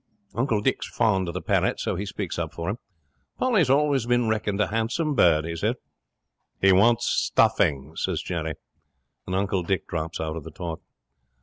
'Uncle Dick's fond of the parrot, so he speaks up for him. "Polly's always been reckoned a handsome bird," he says. '"He wants stuffing," says Jerry. 'And Uncle Dick drops out of the talk.